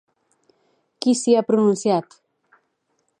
Qui s'hi ha pronunciat?